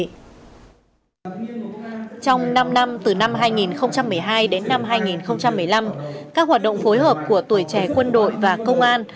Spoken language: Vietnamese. trong năm năm từ năm hai nghìn một mươi hai đến năm hai nghìn một mươi năm các hoạt động phối hợp của tuổi trẻ quân đội và công an